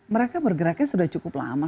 mereka bergeraknya sudah cukup lama